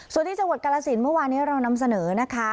ส่วนที่จังหวัดกาลสินเมื่อวานนี้เรานำเสนอนะคะ